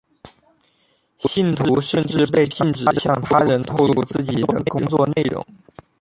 信徒甚至被禁止向他人透露自己的工作内容。